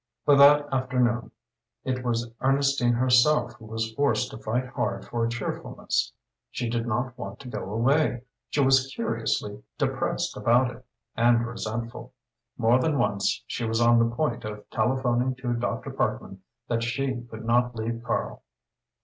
But that afternoon it was Ernestine herself who was forced to fight hard for cheerfulness. She did not want to go away. She was curiously depressed about it, and resentful. More than once she was on the point of telephoning to Dr. Parkman that she could not leave Karl.